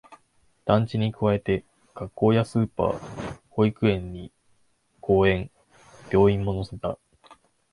団地に加えて、学校やスーパー、保育園に公園、病院も乗せた